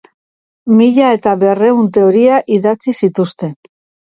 Mila eta berrehun teoria idatzi zituzten.